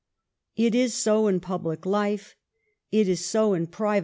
It is so in public life, it is so in private life.